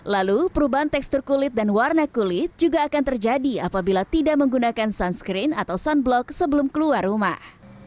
lalu perubahan tekstur kulit dan warna kulit juga akan terjadi apabila tidak menggunakan sunscreen atau sunblock sebelum keluar rumah